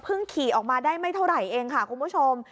ขี่ออกมาได้ไม่เท่าไหร่เองค่ะคุณผู้ชม